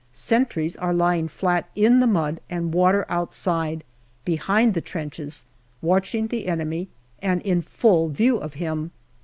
Sentries are lying flat in the mud and water outside, behind the trenches, watching the enemy and in full view of him.